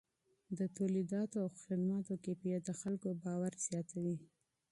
د توليداتو او خدماتو کیفیت د خلکو باور زیاتوي.